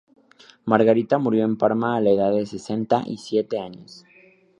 Margarita murió en Parma a la edad de sesenta y siete años.